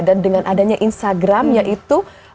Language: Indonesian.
dan dengan adanya instagram yaitu